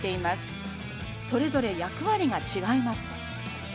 それぞれ役割が違います。